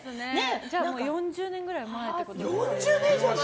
じゃあ４０年ぐらい前ってことですよね。